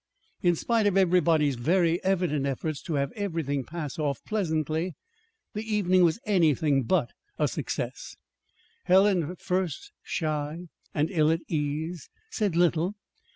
In spite of everybody's very evident efforts to have everything pass off pleasantly, the evening was anything but a success. Helen, at first shy and ill at ease, said little.